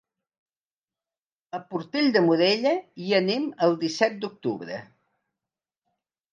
A Portell de Morella hi anem el disset d'octubre.